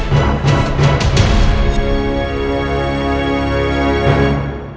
aku harus cerita soal ini